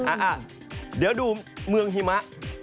อ่ะเดี๋ยวดูเมืองหิมะ